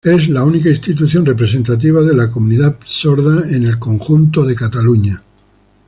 Es la única institución representativa de la comunidad sorda en su conjunto de Cataluña.